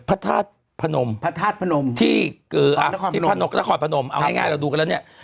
พถาติผนมที่คือเอาให้ง่ายเราดูกันแล้วเนี่ย